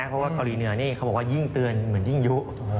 เพราะว่าเกาหลีเหนือนี่เขาบอกว่ายิ่งเตือนเหมือนยิ่งยุ